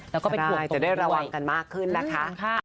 แล้วก็เป็นที่ภูมิให้ตอบกันก่อนก็ได้ร่วมกันมากขึ้นแหละค่ะ